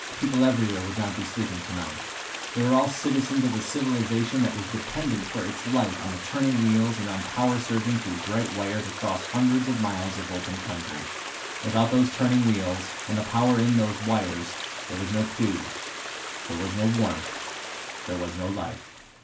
People everywhere would not be sleeping tonight. They were all citizens of a civilization that was dependent for its life on turning wheels and on power surging through bright wires across hundreds of miles of open country. Without those turning wheels, and the power in those wires there was no food, there was no warmth, there was no life.